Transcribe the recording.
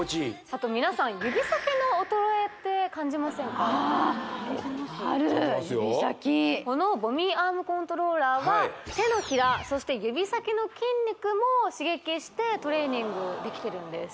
あと皆さんある指先このＶＯＮＭＩＥアームコントローラーは手のひらそして指先の筋肉も刺激してトレーニングできてるんです